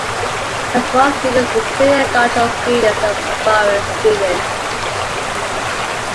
It has more students, including doctoral students and foreign students.